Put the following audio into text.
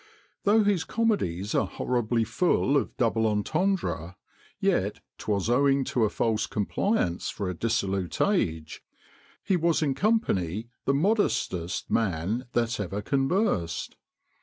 Though his comedies are horribly full of double entendre, yet 'twas owing to a false compliance for a dissolute age; he was in company the modestest man that ever conversed.